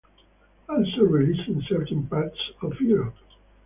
Also released in certain parts of Europe.